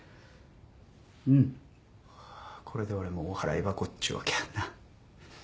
うんこれで俺もお払い箱っちゅうわけやんな。